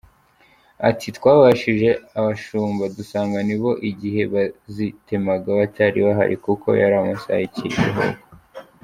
Ati “Twabajije abashumba dusanga nabo igihe bazitemaga batari bahari kuko yari amasaha y’ikiruhuko.